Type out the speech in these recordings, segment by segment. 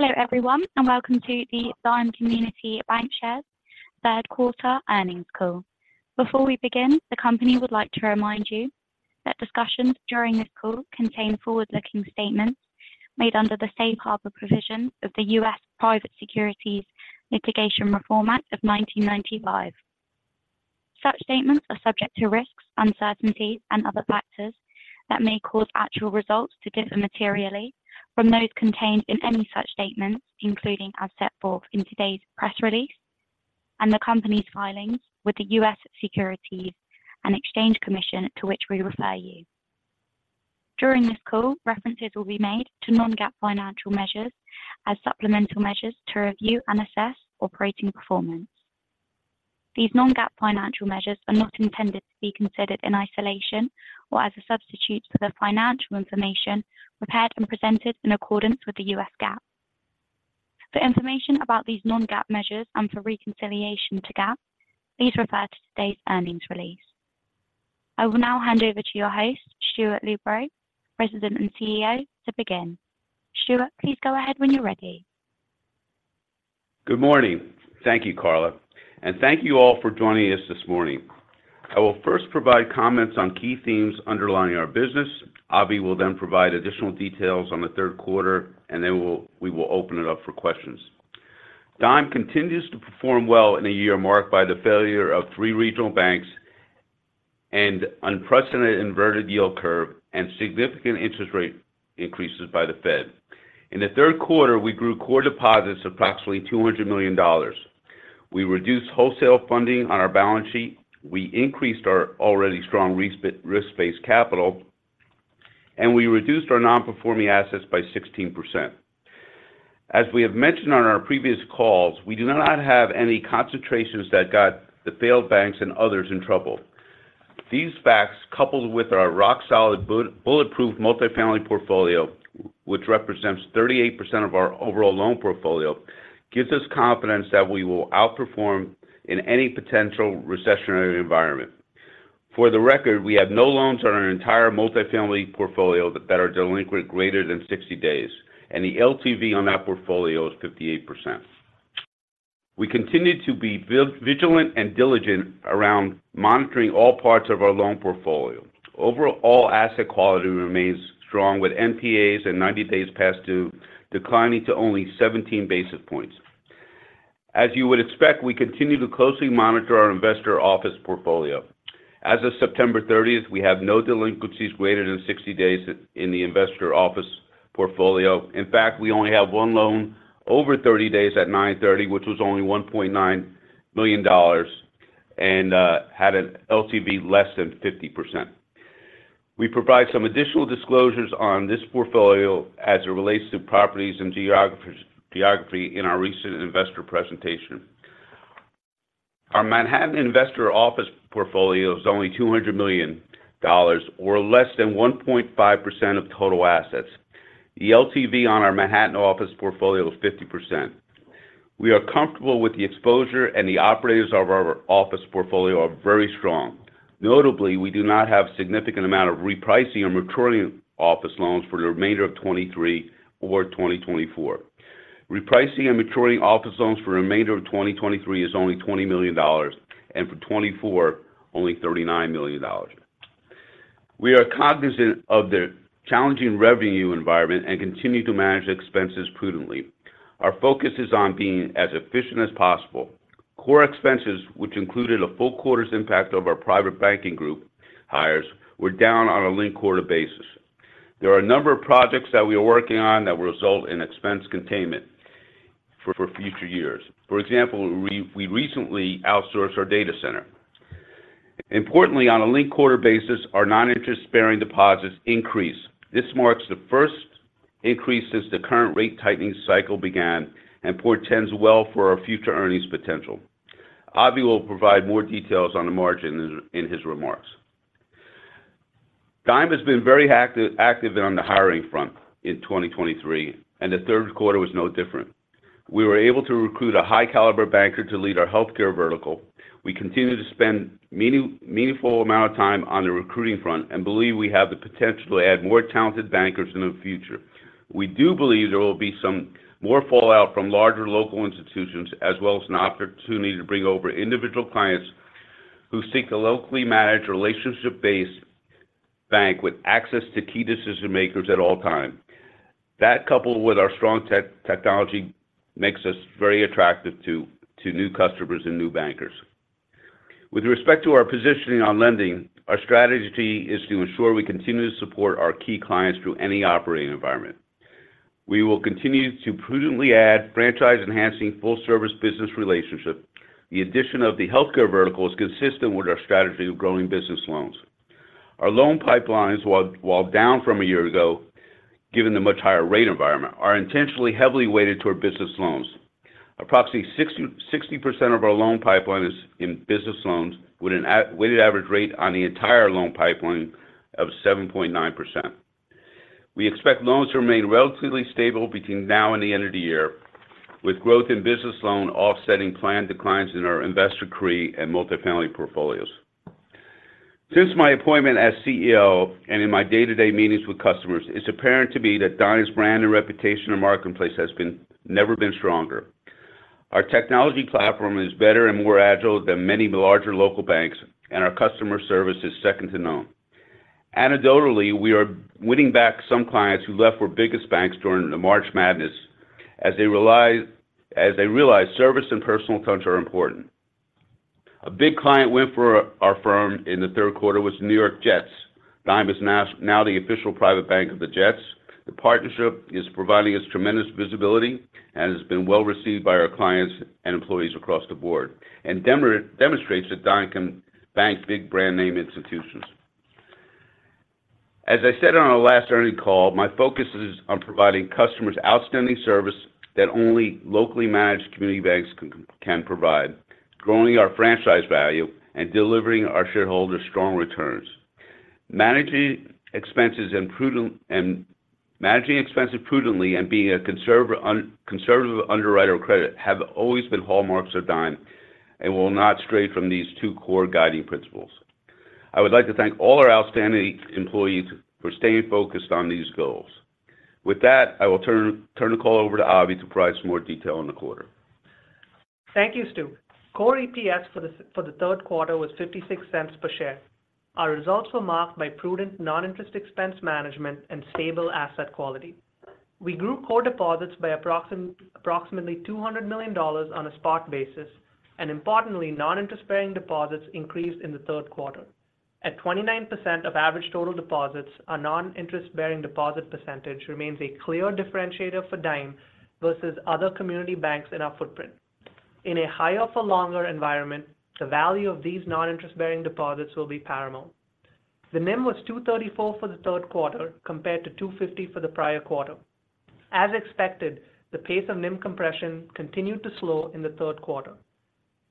Hello everyone, and welcome to the Dime Community Bancshares Third Quarter Earnings Call. Before we begin, the company would like to remind you that discussions during this call contain forward-looking statements made under the safe harbor provision of the U.S. Private Securities Litigation Reform Act of 1995. Such statements are subject to risks, uncertainties, and other factors that may cause actual results to differ materially from those contained in any such statements, including as set forth in today's press release and the company's filings with the U.S. Securities and Exchange Commission, to which we refer you. During this call, references will be made to non-GAAP financial measures as supplemental measures to review and assess operating performance. These non-GAAP financial measures are not intended to be considered in isolation or as a substitute for the financial information prepared and presented in accordance with U.S. GAAP. For information about these non-GAAP measures and for reconciliation to GAAP, please refer to today's earnings release. I will now hand over to your host, Stuart Lubow, President and CEO, to begin. Stuart, please go ahead when you're ready. Good morning. Thank you, Carla, and thank you all for joining us this morning. I will first provide comments on key themes underlying our business. Avi will then provide additional details on the third quarter, and then we will open it up for questions. Dime continues to perform well in a year marked by the failure of three regional banks and unprecedented inverted yield curve and significant interest rate increases by the Fed. In the third quarter, we grew core deposits approximately $200 million. We reduced wholesale funding on our balance sheet, we increased our already strong risk-based capital, and we reduced our non-performing assets by 16%. As we have mentioned on our previous calls, we do not have any concentrations that got the failed banks and others in trouble. These facts, coupled with our rock-solid bulletproof multifamily portfolio, which represents 38% of our overall loan portfolio, gives us confidence that we will outperform in any potential recessionary environment. For the record, we have no loans on our entire multifamily portfolio that are delinquent greater than 60 days, and the LTV on that portfolio is 58%. We continue to be vigilant and diligent around monitoring all parts of our loan portfolio. Overall, asset quality remains strong, with NPAs and 90 days past due declining to only 17 basis points. As you would expect, we continue to closely monitor our investor office portfolio. As of September thirtieth, we have no delinquencies greater than 60 days in the investor office portfolio. In fact, we only have one loan over 30 days at 9/30, which was only $1.9 million and had an LTV less than 50%. We provide some additional disclosures on this portfolio as it relates to properties and geography in our recent investor presentation. Our Manhattan investor office portfolio is only $200 million, or less than 1.5% of total assets. The LTV on our Manhattan office portfolio is 50%. We are comfortable with the exposure, and the operators of our office portfolio are very strong. Notably, we do not have significant amount of repricing or maturing office loans for the remainder of 2023 or 2024. Repricing and maturing office loans for the remainder of 2023 is only $20 million, and for 2024, only $39 million. We are cognizant of the challenging revenue environment and continue to manage expenses prudently. Our focus is on being as efficient as possible. Core expenses, which included a full quarter's impact over private banking group hires, were down on a linked quarter basis. There are a number of projects that we are working on that will result in expense containment for future years. For example, we recently outsourced our data center. Importantly, on a linked quarter basis, our non-interest-bearing deposits increased. This marks the first increase since the current rate tightening cycle began and portends well for our future earnings potential. Avi will provide more details on the margin in his remarks. Dime has been very active on the hiring front in 2023, and the third quarter was no different. We were able to recruit a high caliber banker to lead our healthcare vertical. We continue to spend a meaningful amount of time on the recruiting front and believe we have the potential to add more talented bankers in the future. We do believe there will be some more fallout from larger local institutions, as well as an opportunity to bring over individual clients who seek a locally managed, relationship-based bank with access to key decision-makers at all times. That, coupled with our strong technology, makes us very attractive to new customers and new bankers. With respect to our positioning on lending, our strategy is to ensure we continue to support our key clients through any operating environment. We will continue to prudently add franchise-enhancing, full-service business relationships. The addition of the healthcare vertical is consistent with our strategy of growing business loans. Our loan pipelines, while down from a year ago, given the much higher rate environment, are intentionally heavily weighted toward business loans. Approximately 60% of our loan pipeline is in business loans, with a weighted average rate on the entire loan pipeline of 7.9%. We expect loans to remain relatively stable between now and the end of the year, with growth in business loans offsetting planned declines in our investor CRE and multifamily portfolios. Since my appointment as CEO and in my day-to-day meetings with customers, it's apparent to me that Dime's brand and reputation in the marketplace has never been stronger. Our technology platform is better and more agile than many larger local banks, and our customer service is second to none. Anecdotally, we are winning back some clients who left for biggest banks during the March Madness, as they realize, as they realize service and personal touch are important. A big client win for our firm in the third quarter was the New York Jets. Dime is now, now the Official Private Bank of the Jets. The partnership is providing us tremendous visibility and has been well received by our clients and employees across the board, and demonstrates that Dime can bank big brand name institutions. As I said on our last earnings call, my focus is on providing customers outstanding service that only locally managed community banks can, can provide, growing our franchise value and delivering our shareholders strong returns. Managing expenses prudently and being a conservative underwriter of credit have always been hallmarks of Dime and will not stray from these two core guiding principles. I would like to thank all our outstanding employees for staying focused on these goals. With that, I will turn the call over to Avi to provide some more detail on the quarter. Thank you, Stu. Core EPS for the third quarter was $0.56 per share. Our results were marked by prudent non-interest expense management and stable asset quality. We grew core deposits by approximately $200 million on a spot basis, and importantly, non-interest-bearing deposits increased in the third quarter. At 29% of average total deposits, our non-interest-bearing deposit percentage remains a clear differentiator for Dime versus other community banks in our footprint. In a higher for longer environment, the value of these non-interest-bearing deposits will be paramount. The NIM was 2.34% for the third quarter, compared to 2.50% for the prior quarter. As expected, the pace of NIM compression continued to slow in the third quarter.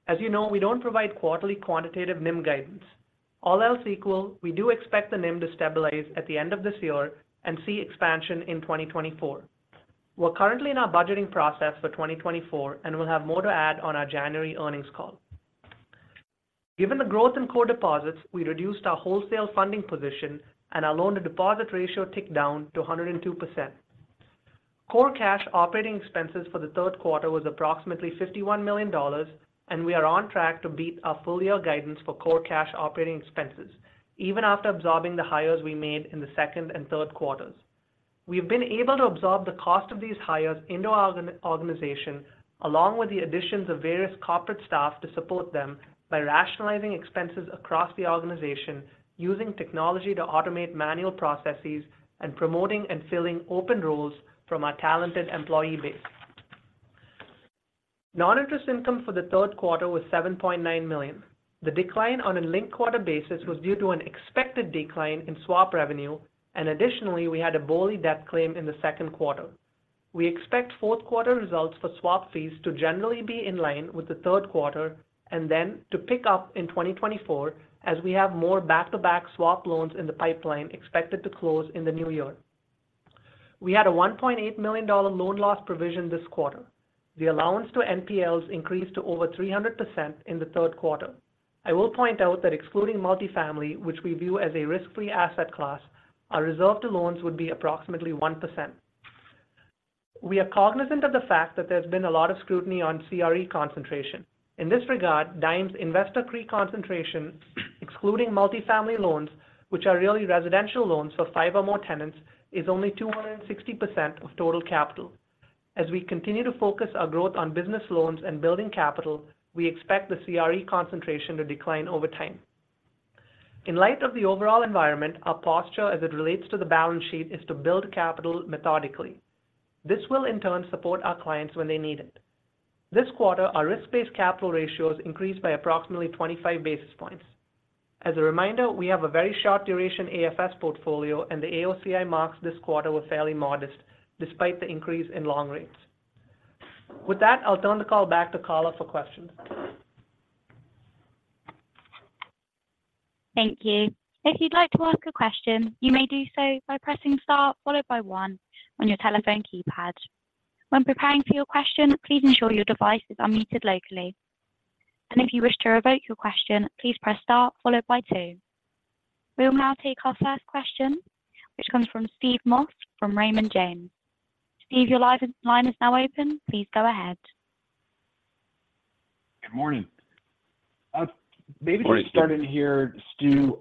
As you know, we don't provide quarterly quantitative NIM guidance. All else equal, we do expect the NIM to stabilize at the end of this year and see expansion in 2024. We're currently in our budgeting process for 2024, and we'll have more to add on our January earnings call. Given the growth in core deposits, we reduced our wholesale funding position, and our loan-to-deposit ratio ticked down to 102%. Core cash operating expenses for the third quarter was approximately $51 million, and we are on track to beat our full year guidance for core cash operating expenses, even after absorbing the hires we made in the second and third quarters. We've been able to absorb the cost of these hires into our organization, along with the additions of various corporate staff to support them by rationalizing expenses across the organization, using technology to automate manual processes, and promoting and filling open roles from our talented employee base. Non-interest income for the third quarter was $7.9 million. The decline on a linked quarter basis was due to an expected decline in swap revenue, and additionally, we had a BOLI death claim in the second quarter. We expect fourth quarter results for swap fees to generally be in line with the third quarter, and then to pick up in 2024, as we have more back-to-back swap loans in the pipeline expected to close in the new year. We had a $1.8 million loan loss provision this quarter. The allowance to NPLs increased to over 300% in the third quarter. I will point out that excluding multifamily, which we view as a risk-free asset class, our reserve to loans would be approximately 1%. We are cognizant of the fact that there's been a lot of scrutiny on CRE concentration. In this regard, Dime's investor CRE concentration, excluding multifamily loans, which are really residential loans for five or more tenants, is only 260% of total capital. As we continue to focus our growth on business loans and building capital, we expect the CRE concentration to decline over time. In light of the overall environment, our posture as it relates to the balance sheet, is to build capital methodically. This will, in turn, support our clients when they need it. This quarter, our risk-based capital ratios increased by approximately 25 basis points. As a reminder, we have a very short duration AFS portfolio, and the AOCI marks this quarter were fairly modest despite the increase in long rates. With that, I'll turn the call back to Carla for questions. Thank you. If you'd like to ask a question, you may do so by pressing star followed by one on your telephone keypad. When preparing for your question, please ensure your device is unmuted locally. If you wish to revoke your question, please press star followed by two. We will now take our first question, which comes from Steve Moss from Raymond James. Steve, your line is now open. Please go ahead. Good morning. Good morning Maybe just starting here, Stu.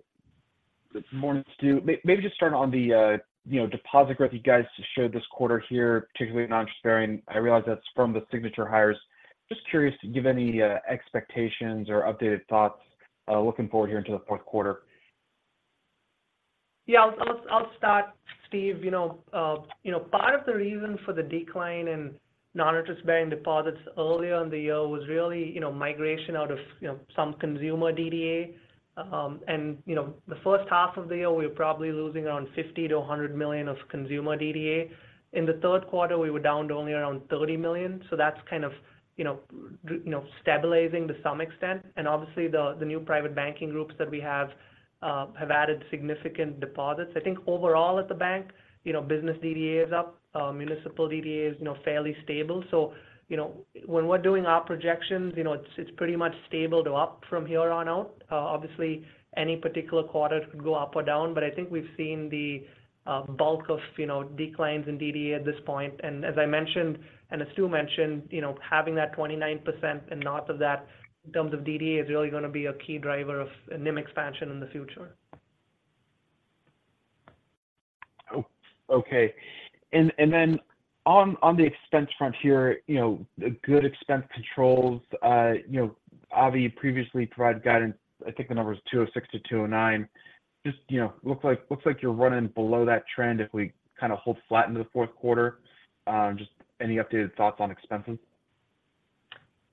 Good morning, Stu. Maybe just start on the, you know, deposit growth you guys showed this quarter here, particularly non-interest-bearing. I realize that's from the Signature hires. Just curious, do you have any expectations or updated thoughts, looking forward here into the fourth quarter? Yeah. I'll start, Steve. You know, you know, part of the reason for the decline in non-interest-bearing deposits earlier in the year was really, you know, migration out of, you know, some consumer DDA. And, you know, the first half of the year, we were probably losing around $50 million-$100 million of consumer DDA. In the third quarter, we were down to only around $30 million. So that's kind of, you know, you know, stabilizing to some extent. And obviously, the new private banking groups that we have have added significant deposits. I think overall at the bank, you know, business DDA is up, municipal DDA is, you know, fairly stable. So, you know, when we're doing our projections, you know, it's, it's pretty much stable to up from here on out. Obviously, any particular quarter could go up or down, but I think we've seen the bulk of, you know, declines in DDA at this point. As I mentioned, and as Stu mentioned, you know, having that 29% and north of that in terms of DDA is really gonna be a key driver of NIM expansion in the future. Okay. And then on the expense front here, you know, the good expense controls, you know, Avi previously provided guidance, I think the number is 206-209. Just, you know, looks like you're running below that trend if we kind of hold flat into the fourth quarter. Just any updated thoughts on expenses?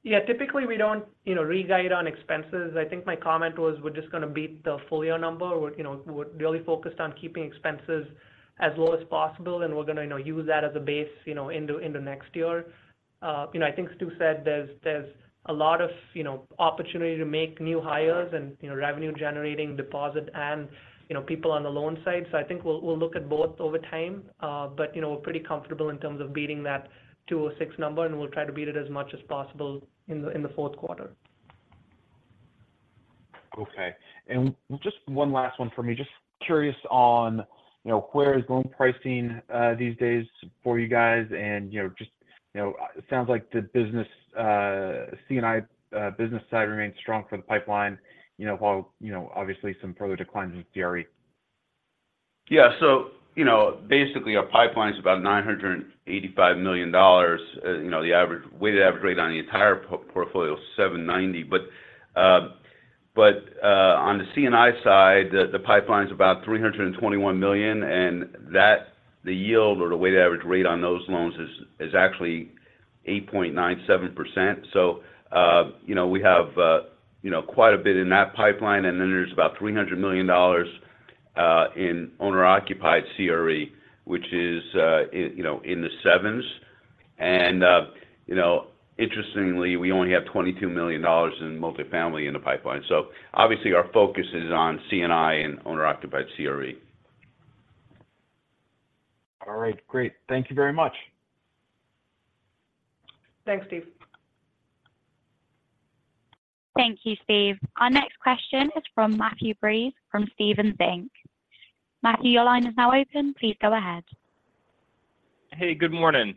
Yeah, typically we don't, you know, re-guide on expenses. I think my comment was we're just going to beat the full year number. We're, you know, we're really focused on keeping expenses as low as possible, and we're going to, you know, use that as a base, you know, into the next year. You know, I think Stu said there's a lot of, you know, opportunity to make new hires and, you know, revenue-generating deposit and, you know, people on the loan side. So I think we'll look at both over time. But, you know, we're pretty comfortable in terms of beating that 206 number, and we'll try to beat it as much as possible in the fourth quarter. Okay. And just one last one for me. Just curious on, you know, where is loan pricing these days for you guys? And, you know, just, you know, it sounds like the business, C&I, business side remains strong for the pipeline, you know, while, you know, obviously some further declines with CRE. Yeah. So, you know, basically our pipeline is about $985 million. You know, the weighted average rate on the entire portfolio is 7.90%. But on the C&I side, the pipeline is about $321 million, and the yield or the weighted average rate on those loans is actually 8.97%. So, you know, we have quite a bit in that pipeline, and then there's about $300 million in owner-occupied CRE, which is in the sevens. And, you know, interestingly, we only have $22 million in multifamily in the pipeline. So obviously, our focus is on C&I and owner-occupied CRE. All right, great. Thank you very much. Thanks, Steve. Thank you, Steve. Our next question is from Matthew Breese from Stephens Inc. Matthew, your line is now open. Please go ahead. Hey, good morning.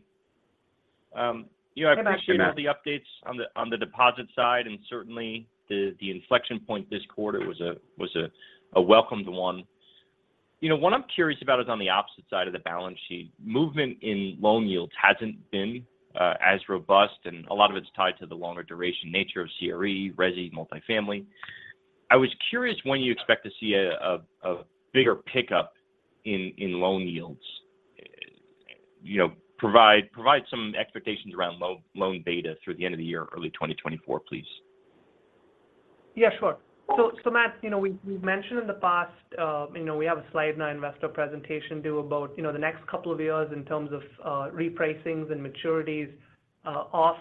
You know- Good afternoon. I appreciate all the updates on the deposit side, and certainly the inflection point this quarter was a welcomed one. You know, what I'm curious about is on the opposite side of the balance sheet. Movement in loan yields hasn't been as robust, and a lot of it's tied to the longer duration nature of CRE, resi, multifamily. I was curious when you expect to see a bigger pickup in loan yields. You know, provide some expectations around loan beta through the end of the year or early 2024, please. Yeah, sure. So, Matt, you know, we've mentioned in the past, you know, we have a slide in our investor presentation due about the next couple of years in terms of repricings and maturities off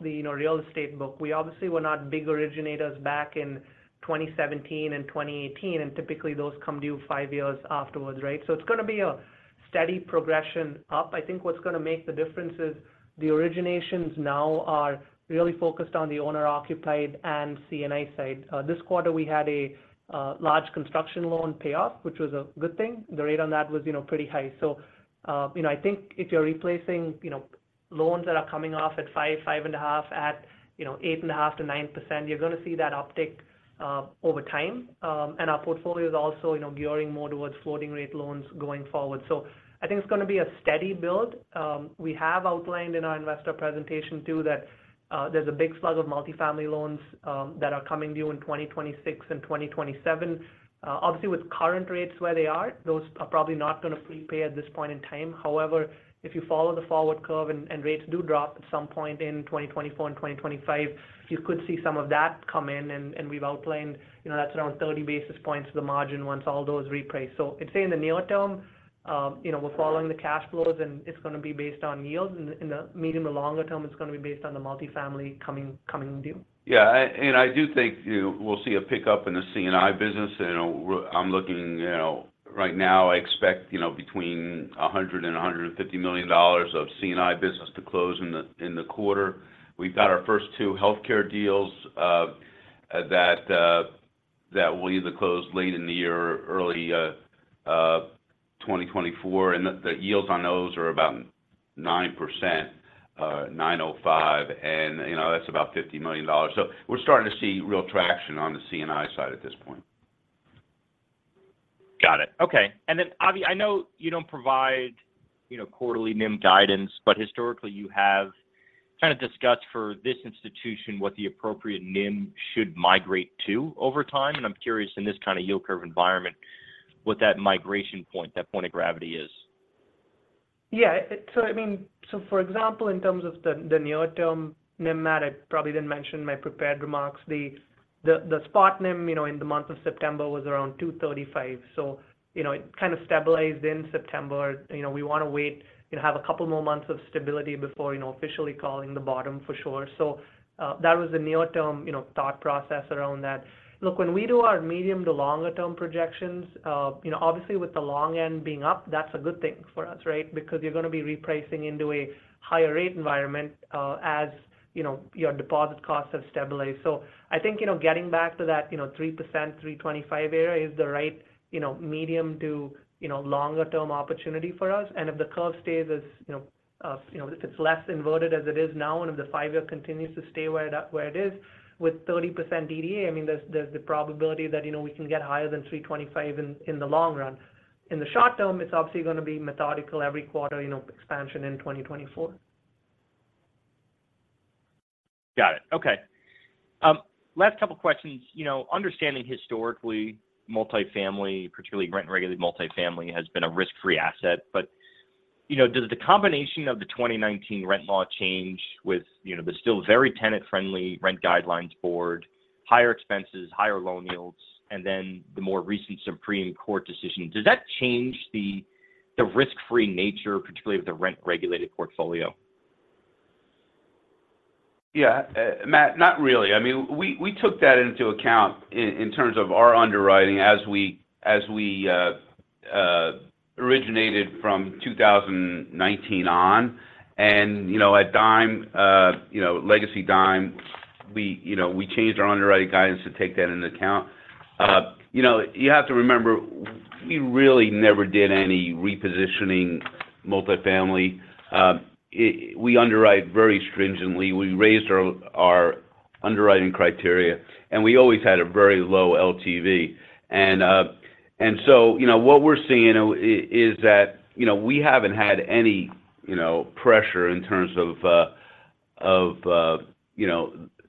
the real estate book. We obviously were not big originators back in 2017 and 2018, and typically those come due five years afterwards, right? So it's going to be a steady progression up. I think what's going to make the difference is the originations now are really focused on the owner-occupied and C&I side. This quarter, we had a large construction loan pay off, which was a good thing. The rate on that was, you know, pretty high. So, you know, I think if you're replacing, you know, loans that are coming off at 5, 5.5 at, you know, 8.5%-9%, you're going to see that uptick over time. Our portfolio is also, you know, gearing more towards floating rate loans going forward. So I think it's going to be a steady build. We have outlined in our investor presentation too, that there's a big slug of multifamily loans that are coming due in 2026 and 2027. Obviously, with current rates where they are, those are probably not going to prepay at this point in time. However, if you follow the forward curve and rates do drop at some point in 2024 and 2025, you could see some of that come in, and we've outlined, you know, that's around 30 basis points to the margin once all those reprice. So I'd say in the near term, you know, we're following the cash flows, and it's going to be based on yields. In the medium to longer term, it's going to be based on the multifamily coming due. Yeah, and I do think, you know, we'll see a pickup in the C&I business. You know, I'm looking, you know, right now, I expect, you know, between $100 million and $150 million of C&I business to close in the quarter. We've got our first two healthcare deals that will either close late in the year or early 2024, and the yields on those are about 9%, 9.5%, and, you know, that's about $50 million. So we're starting to see real traction on the C&I side at this point. Got it. Okay. And then, Avi, I know you don't provide, you know, quarterly NIM guidance, but historically, you have kind of discussed for this institution what the appropriate NIM should migrate to over time. And I'm curious, in this kind of yield curve environment, what that migration point, that point of gravity is. Yeah. So I mean, so for example, in terms of the near-term NIM, Matt, I probably didn't mention in my prepared remarks. The spot NIM, you know, in the month of September was around 2.35. So, you know, it kind of stabilized in September. You know, we want to wait and have a couple more months of stability before, you know, officially calling the bottom for sure. So, that was the near-term, you know, thought process around that. Look, when we do our medium to longer-term projections, you know, obviously with the long end being up, that's a good thing for us, right? Because you're going to be repricing into a higher rate environment, as, you know, your deposit costs have stabilized. So I think, you know, getting back to that, you know, 3%-3.25% area is the right, you know, medium to, you know, longer-term opportunity for us. And if the curve stays as, you know, if it's less inverted as it is now, and if the five-year continues to stay where that, where it is, with 30% DDA, I mean, there's the probability that, you know, we can get higher than 3.25% in, in the long run. In the short term, it's obviously going to be methodical every quarter, you know, expansion in 2024. Got it. Okay. Last couple questions. You know, understanding historically, multifamily, particularly rent-regulated multifamily, has been a risk-free asset. But, you know, does the combination of the 2019 rent law change with, you know, the still very tenant-friendly Rent Guidelines Board, higher expenses, higher loan yields, and then the more recent Supreme Court decision, does that change the, the risk-free nature, particularly with the rent-regulated portfolio? Yeah, Matt, not really. I mean, we took that into account in terms of our underwriting as we originated from 2019 on. And, you know, at Dime, you know, Legacy Dime, we changed our underwriting guidance to take that into account. You know, you have to remember, we really never did any repositioning multifamily. We underwrite very stringently. We raised our underwriting criteria, and we always had a very low LTV. And so, you know, what we're seeing is that, you know, we haven't had any, you know, pressure in terms of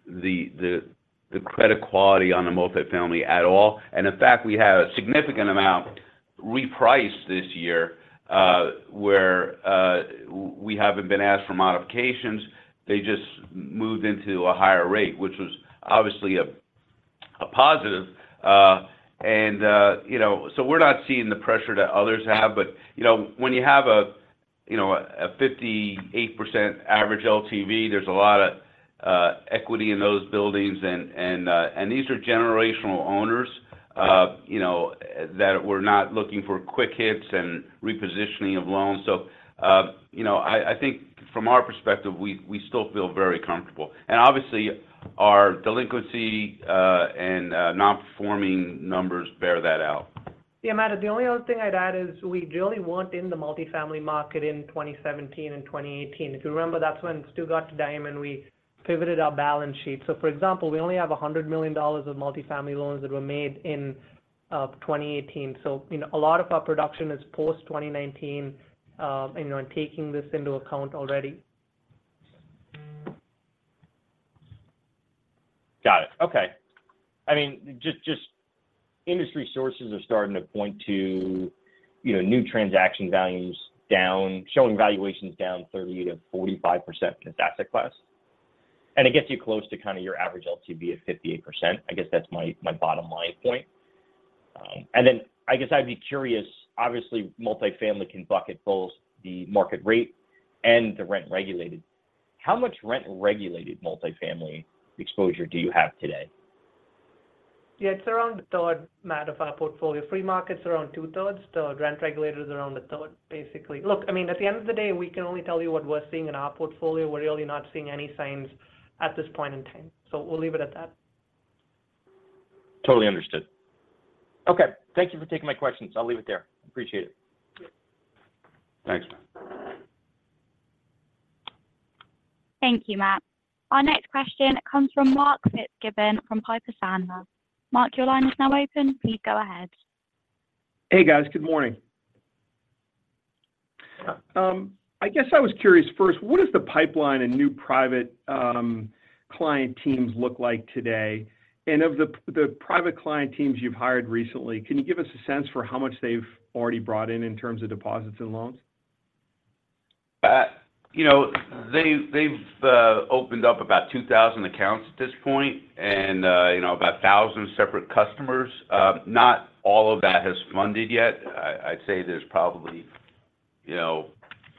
the credit quality on the multifamily at all. And in fact, we had a significant amount repriced this year, where we haven't been asked for modifications. They just moved into a higher rate, which was obviously a positive. And, you know, so we're not seeing the pressure that others have. But, you know, when you have a 58% average LTV, there's a lot of equity in those buildings and these are generational owners, you know, that we're not looking for quick hits and repositioning of loans. So, you know, I think from our perspective, we still feel very comfortable. And obviously, our delinquency and non-performing numbers bear that out. Yeah, Matt, the only other thing I'd add is we really weren't in the multifamily market in 2017 and 2018. If you remember, that's when Stu got to Dime, and we pivoted our balance sheet. So, for example, we only have $100 million of multifamily loans that were made in 2018. So, you know, a lot of our production is post-2019, and taking this into account already. Got it. Okay. I mean, just, just industry sources are starting to point to, you know, new transaction values down, showing valuations down 30%-45% in this asset class. And it gets you close to kind of your average LTV of 58%. I guess that's my, my bottom line point. And then I guess I'd be curious, obviously, multifamily can bucket both the market rate and the rent-regulated. How much rent-regulated multifamily exposure do you have today? Yeah, it's around a third, Matt, of our portfolio. Free market's around 2/3. The rent-regulated is around a third, basically. Look, I mean, at the end of the day, we can only tell you what we're seeing in our portfolio. We're really not seeing any signs at this point in time, so we'll leave it at that. Totally understood. Okay. Thank you for taking my questions. I'll leave it there. Appreciate it. Thanks, Matt. Thank you, Matt. Our next question comes from Mark Fitzgibbon from Piper Sandler. Mark, your line is now open. Please go ahead. Hey, guys. Good morning. I guess I was curious, first, what does the pipeline and new private client teams look like today? And of the private client teams you've hired recently, can you give us a sense for how much they've already brought in in terms of deposits and loans? You know, they've opened up about 2,000 accounts at this point and, you know, about 1,000 separate customers. Not all of that has funded yet. I'd say there's probably, you know,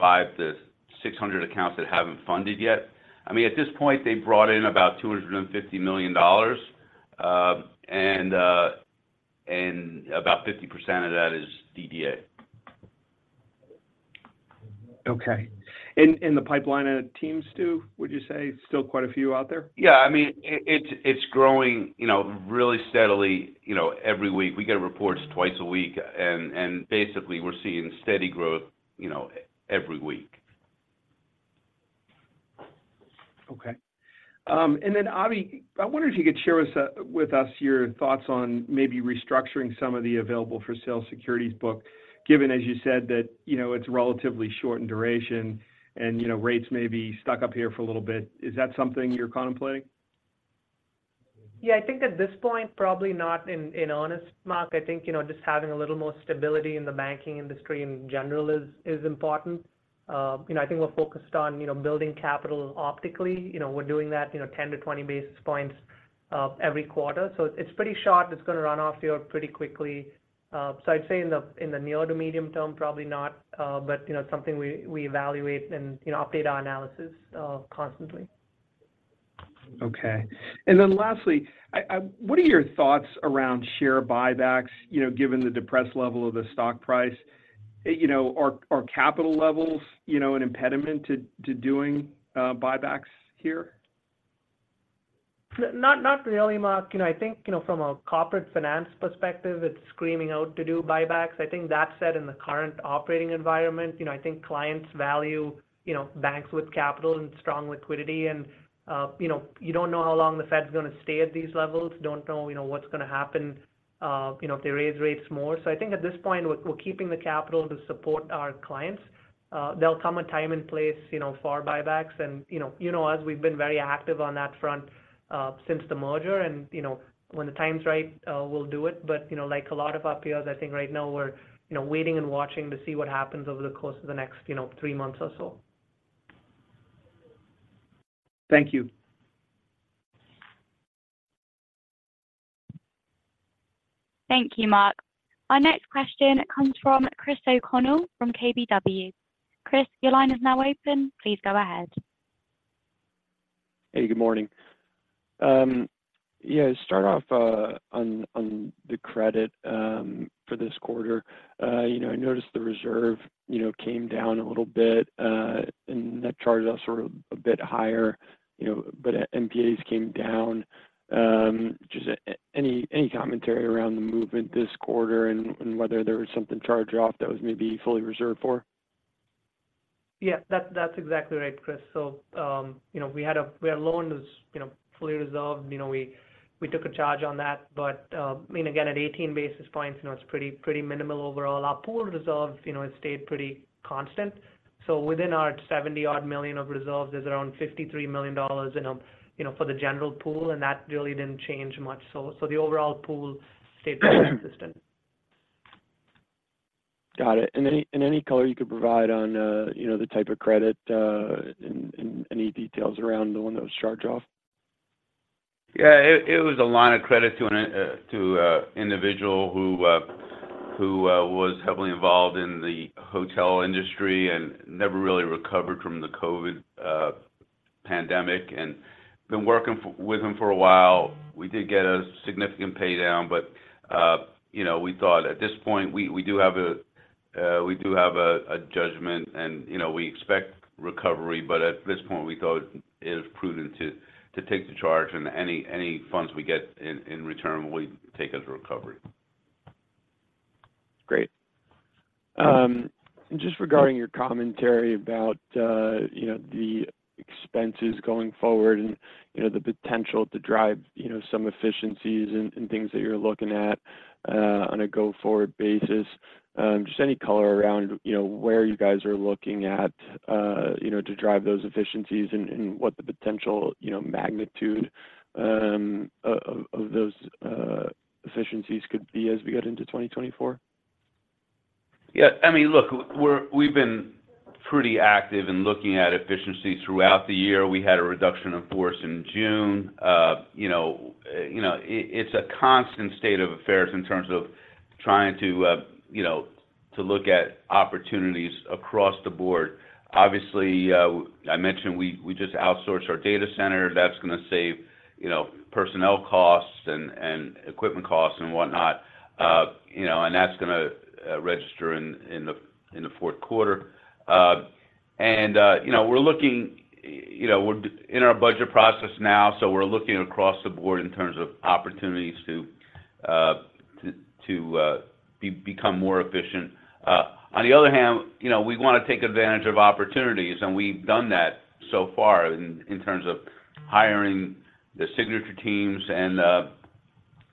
500-600 accounts that haven't funded yet. I mean, at this point, they've brought in about $250 million, and about 50% of that is DDA. Okay. The pipeline of teams, Stu, would you say still quite a few out there? Yeah. I mean, it's growing, you know, really steadily, you know, every week. We get reports twice a week, and basically, we're seeing steady growth, you know, every week. Okay. And then, Avi, I wonder if you could share us, with us your thoughts on maybe restructuring some of the available-for-sale securities book, given, as you said, that, you know, it's relatively short in duration and, you know, rates may be stuck up here for a little bit. Is that something you're contemplating? Yeah, I think at this point, probably not, in all honesty, Mark. I think, you know, just having a little more stability in the banking industry in general is important. You know, I think we're focused on, you know, building capital optically. You know, we're doing that, you know, 10-20 basis points every quarter. So it's pretty sharp, it's going to run off here pretty quickly. So I'd say in the near-to-medium term, probably not, but, you know, it's something we evaluate and, you know, update our analysis constantly. Okay. Then lastly, what are your thoughts around share buybacks, you know, given the depressed level of the stock price? You know, are capital levels, you know, an impediment to doing buybacks here? Not, not really, Mark. You know, I think, you know, from a corporate finance perspective, it's screaming out to do buybacks. I think that said, in the current operating environment, you know, I think clients value, you know, banks with capital and strong liquidity, and, you know, you don't know how long the Fed's gonna stay at these levels. Don't know, you know, what's gonna happen, you know, if they raise rates more. So I think at this point, we're, we're keeping the capital to support our clients. There'll come a time and place, you know, for our buybacks and, you know, you know us, we've been very active on that front, since the merger and, you know, when the time is right, we'll do it. But, you know, like a lot of our peers, I think right now we're, you know, waiting and watching to see what happens over the course of the next, you know, three months or so... Thank you. Thank you, Mark. Our next question comes from Chris O'Connell from KBW. Chris, your line is now open. Please go ahead. Hey, good morning. Yeah, to start off, on, on the credit, for this quarter, you know, I noticed the reserve, you know, came down a little bit, and net charge-offs were a bit higher, you know, but NPAs came down. Just any, any commentary around the movement this quarter and, and whether there was something charge-off that was maybe fully reserved for? Yeah, that's, that's exactly right, Chris. So, you know, we had a-- we had a loan that was, you know, fully resolved. You know, we, we took a charge on that, but, I mean, again, at 18 basis points, you know, it's pretty, pretty minimal overall. Our pool resolve, you know, it stayed pretty constant. So within our 70-odd million of resolves, there's around $53 million in, you know, for the general pool, and that really didn't change much. So, so the overall pool stayed consistent. Got it. And any, and any color you could provide on, you know, the type of credit, and, and, any details around the one that was charged off? Yeah, it was a line of credit to an individual who was heavily involved in the hotel industry and never really recovered from the COVID pandemic, and been working with him for a while. We did get a significant pay down, but, you know, we thought at this point, we do have a judgment and, you know, we expect recovery, but at this point, we thought it was prudent to take the charge and any funds we get in return, we take as recovery. Great. And just regarding your commentary about, you know, the expenses going forward and, you know, the potential to drive, you know, some efficiencies and, and things that you're looking at, on a go-forward basis, just any color around, you know, where you guys are looking at, you know, to drive those efficiencies and, and what the potential, you know, magnitude, of, of, of those, efficiencies could be as we get into 2024? Yeah. I mean, look, we're—we've been pretty active in looking at efficiency throughout the year. We had a reduction of force in June. You know, you know, it's a constant state of affairs in terms of trying to, you know, to look at opportunities across the board. Obviously, I mentioned we just outsourced our data center. That's going to save, you know, personnel costs and equipment costs and whatnot. You know, and that's going to register in the fourth quarter. And, you know, we're looking—you know, we're in our budget process now, so we're looking across the board in terms of opportunities to become more efficient. On the other hand, you know, we want to take advantage of opportunities, and we've done that so far in terms of hiring the Signature teams and,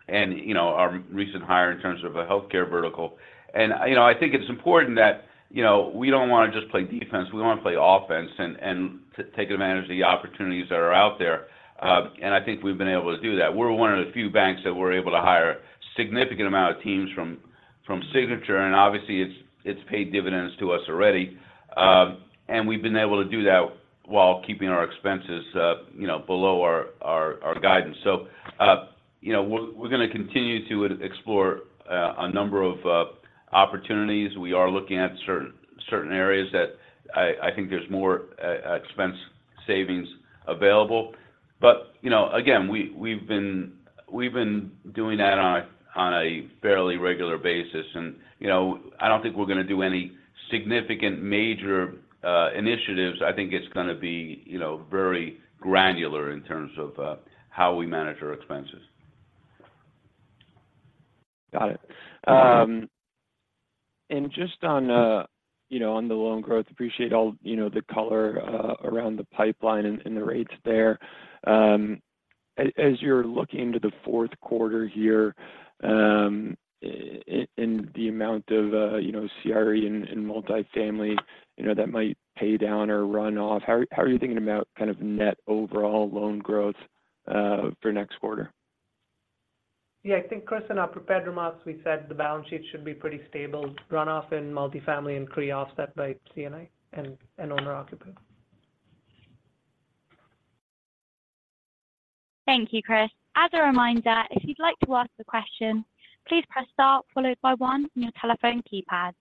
and you know, our recent hire in terms of a healthcare vertical. You know, I think it's important that, you know, we don't want to just play defense, we want to play offense and, and to take advantage of the opportunities that are out there. And I think we've been able to do that. We're one of the few banks that were able to hire significant amount of teams from Signature, and obviously it's paid dividends to us already. And we've been able to do that while keeping our expenses, you know, below our guidance. So, you know, we're going to continue to explore a number of opportunities. We are looking at certain areas that I think there's more expense savings available. But, you know, again, we've been doing that on a fairly regular basis and, you know, I don't think we're going to do any significant major initiatives. I think it's going to be, you know, very granular in terms of how we manage our expenses. Got it. Just on, you know, on the loan growth, appreciate all, you know, the color around the pipeline and the rates there. As you're looking to the fourth quarter here, in the amount of, you know, CRE and multifamily, you know, that might pay down or run off, how are you thinking about kind of net overall loan growth for next quarter? Yeah, I think, Chris, in our prepared remarks, we said the balance sheet should be pretty stable, runoff in multifamily and CRE, offset by C&I and owner-occupied. Thank you, Chris. As a reminder, if you'd like to ask a question, please press star followed by one on your telephone keypad.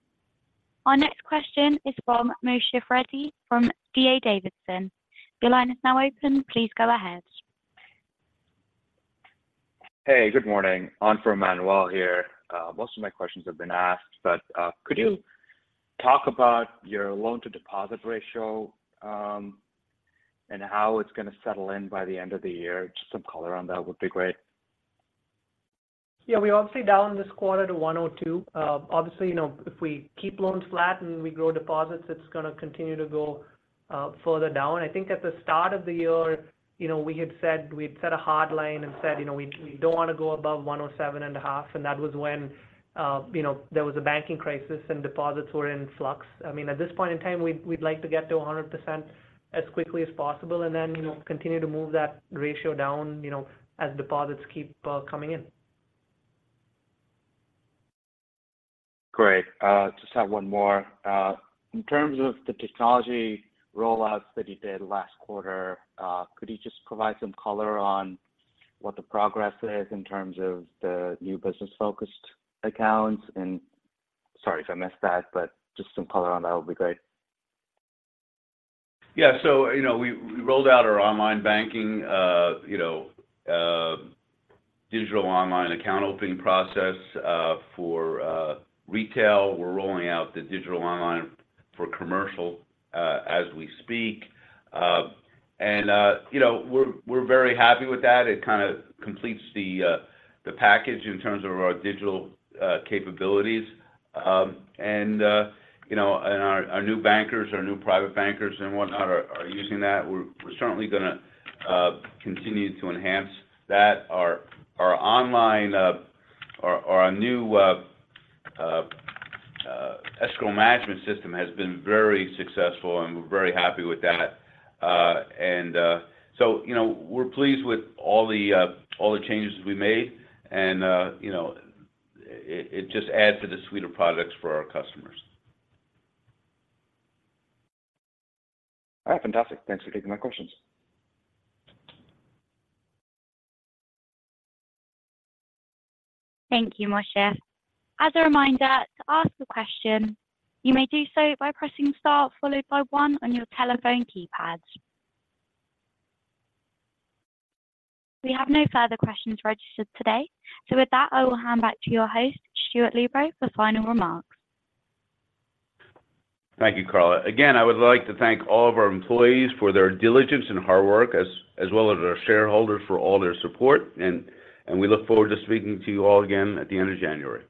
Our next question is from Manuel Navas from D.A. Davidson. Your line is now open. Please go ahead. Hey, good morning. On for Manuel here. Most of my questions have been asked, but, could you talk about your loan-to-deposit ratio, and how it's going to settle in by the end of the year? Just some color on that would be great. Yeah, we're obviously down this quarter to 102. Obviously, you know, if we keep loans flat and we grow deposits, it's going to continue to go further down. I think at the start of the year, you know, we had said we'd set a hard line and said, you know, we don't want to go above 107.5, and that was when, you know, there was a banking crisis and deposits were in flux. I mean, at this point in time, we'd like to get to 100% as quickly as possible and then, you know, continue to move that ratio down, you know, as deposits keep coming in. Great. Just have one more. In terms of the technology rollouts that you did last quarter, could you just provide some color on what the progress is in terms of the new business-focused accounts? And sorry if I missed that, but just some color on that would be great. Yeah. So, you know, we rolled out our online banking, you know, digital online account opening process for retail. We're rolling out the digital online for commercial as we speak. And, you know, we're very happy with that. It kind of completes the package in terms of our digital capabilities. And, you know, and our new bankers, our new private bankers and whatnot are using that. We're certainly gonna continue to enhance that. Our online, our new escrow management system has been very successful, and we're very happy with that. And, so, you know, we're pleased with all the changes we made and, you know, it just adds to the suite of products for our customers. All right. Fantastic. Thanks for taking my questions. Thank you, Manuel. As a reminder, to ask a question, you may do so by pressing star followed by one on your telephone keypad. We have no further questions registered today. With that, I will hand back to your host, Stuart Lubow, for final remarks. Thank you, Carla. Again, I would like to thank all of our employees for their diligence and hard work, as well as our shareholders for all their support, and we look forward to speaking to you all again at the end of January.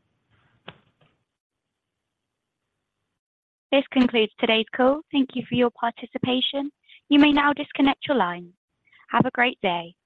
This concludes today's call. Thank you for your participation. You may now disconnect your line. Have a great day.